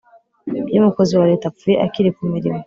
iyo umukozi wa leta apfuye akiri ku mirimo,